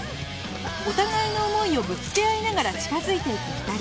お互いの思いをぶつけ合いながら近づいていく２人